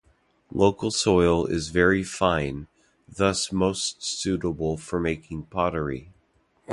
Local soil is very fine, thus most suitable for making pottery.